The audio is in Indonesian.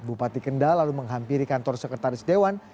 bupati kendal lalu menghampiri kantor sekretaris dewan